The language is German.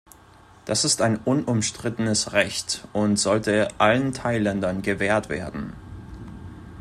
Das ist ein unumstrittenes Recht und sollte allen Thailändern gewährt werden.